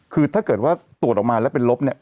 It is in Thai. คือถ้าเกิดว่าตรวจออกมาแล้วเป็นลบเนี่ย